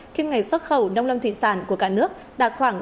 kiếm ngày xuất khẩu nông lâm thuyền sản của cảnh sát đà nẵng